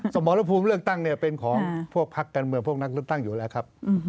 สมรภูมิเลือกตั้งเนี่ยเป็นของพวกพักการเมืองพวกนักเลือกตั้งอยู่แล้วครับ